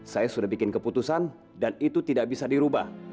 saya sudah bikin keputusan dan itu tidak bisa dirubah